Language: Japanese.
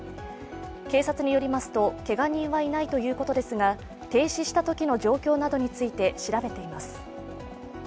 警察によりますと、けが人はいないということですが、停止したときの状況などについて調べています。